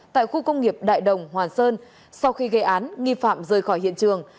tại khu công nghiệp đại đồng hòa sơn sau khi gây án nghi phạm rời khỏi hiện trường